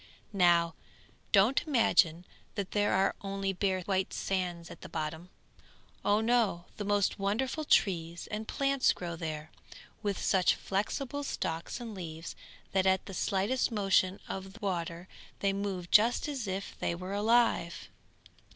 Now don't imagine that there are only bare white sands at the bottom; oh no! the most wonderful trees and plants grow there, with such flexible stalks and leaves, that at the slightest motion of the water they move just as if they were alive.